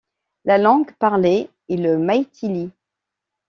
La langue parlée est le Maïthili.